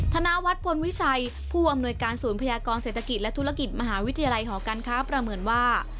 ธนวัฒน์พลวิชัยผู้อำนวยการศูนย์พยากรเศรษฐกิจและธุรกิจมหาวิทยาลัยหอการค้าประเมินว่า